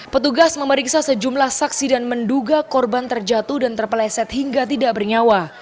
petugas memeriksa sejumlah saksi dan menduga korban terjatuh dan terpeleset hingga tidak bernyawa